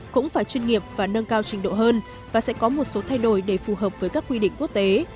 cũng phải chuyên nghiệp và nâng cao trình độ hơn và sẽ có một số thay đổi để phù hợp với các quy định quốc tế